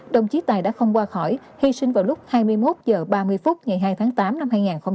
đồng chí tài đã không qua khỏi hy sinh vào lúc hai mươi một h ba mươi phút ngày hai tháng tám năm hai nghìn hai mươi ba